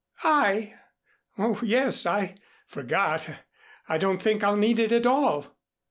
"I! Oh, yes. I forgot. I don't think I'll need it at all.